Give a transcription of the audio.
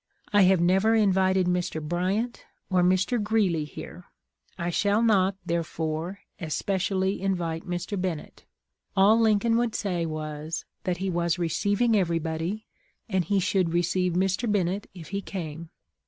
I have never invited Mr. Bryant or Mr. Greeley here; I shall not, therefore, especially invite Mr. Bennett.' All Lincoln would say was, that he was receiving everybody, and he should receive Mr. Bennett if he came.